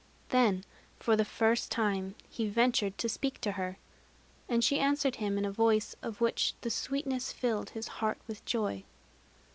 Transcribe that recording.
Then for the first time he ventured to speak to her; and she answered him in a voice of which the sweetness filled his heart with joy.